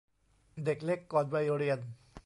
เด็กเล็กก่อนวัยเรียน